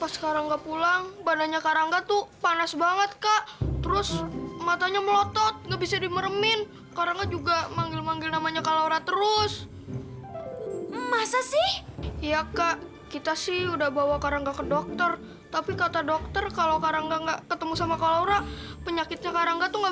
sampai jumpa di video selanjutnya